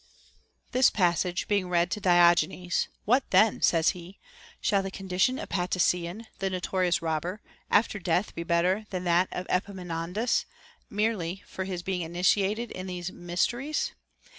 This passage being read to Diogenes, What then! says he, shall the condition of Pataecion, the notorious robber, after death be better than that of Epaminondas, merely for TO HEAR POEMS. 59 his being initiated in these mysteries